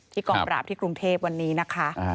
กองปราบที่กรุงเทพวันนี้นะคะ